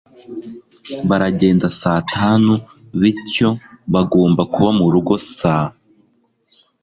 baragenda saa tanu, bityo bagomba kuba murugo saa